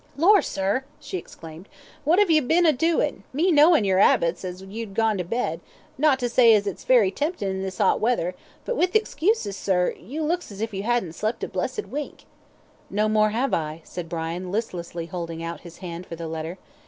"Lor, sir!" she exclaimed, "what 'ave you bin a doin' me knowin' your 'abits know'd as you'd gone to bed, not to say as it's very temptin' in this 'ot weather, but with excuses, sir, you looks as if you 'adn't slept a blessed wink." "No, more I have," said Brian, listlessly holding out his hand for the letter.